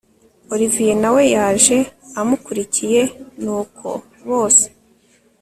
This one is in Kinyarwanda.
Olivier nawe yaje amukurikiye nuko bose